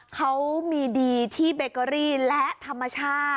เขามีดีที่เบเกอรี่และธรรมชาติ